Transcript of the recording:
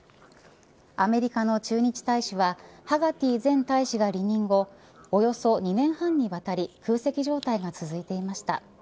アメリカの駐日大使はハガティ前大使が離任後およそ２年半にわたり空席状態が続いていました。